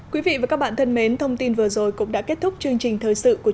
quý vị và các bạn thân mến thông tin vừa rồi cũng đã kết thúc chương trình thời sự của